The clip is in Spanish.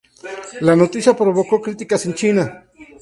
La noticia provocó críticas en China.